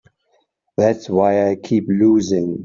That's why I keep losing.